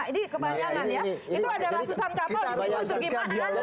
ini kepanjangan ya